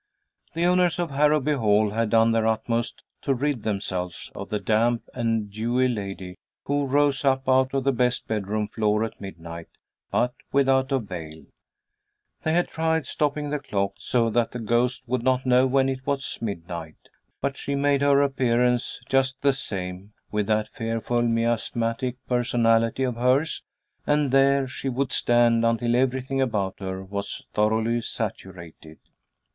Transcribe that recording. The owners of Harrowby Hall had done their utmost to rid themselves of the damp and dewy lady who rose up out of the best bedroom floor at midnight, but without avail. They had tried stopping the clock, so that the ghost would not know when it was midnight; but she made her appearance just the same, with that fearful miasmatic personality of hers, and there she would stand until everything about her was thoroughly saturated.